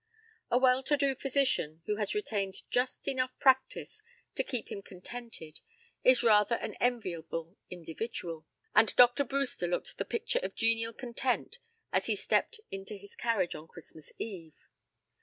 A well to do physician who has retained just enough practice to keep him contented is rather an enviable individual, and Dr. Brewster looked the picture of genial content as he stepped into his carriage on Christmas Eve.